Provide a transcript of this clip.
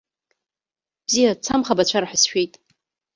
Бзиа дсамхабацәар ҳәа сшәеит.